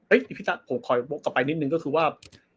เอ๊ะอีกพิษะผมคอยกลับไปนิดนึงก็คือว่า